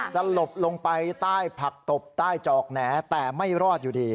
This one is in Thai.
สลบลงไปใต้ผักตบใต้จอกแหน่แต่ไม่รอดอยู่ดี